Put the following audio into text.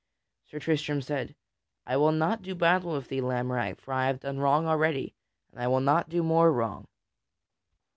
Sir Tristram said: "I will not do battle with thee, Lamorack, for I have done wrong already, and I will not do more wrong."